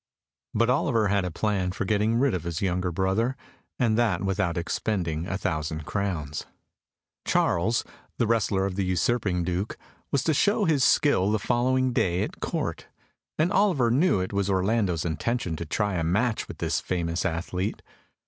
But Oliver had a plan for getting rid of this younger brother, and that without expending a thousand crowns. Charles, the wrestler of the usurping Duke, was to show his skill the following day at Court, and Oliver knew it was Orlando's intention to try a match with this famous athlete.